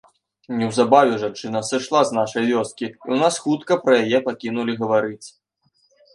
Неўзабаве жанчына сышла з нашай вёскі, і ў нас хутка пра яе пакінулі гаварыць.